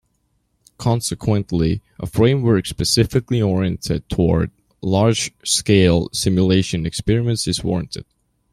Consequently, a framework specifically oriented toward large-scale simulation experiments is warranted.